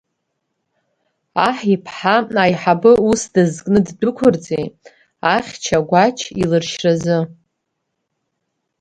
Аҳ иԥҳа аиҳабы ус дазкны ддәықәырҵеит ахьча Гәач илыршьразы.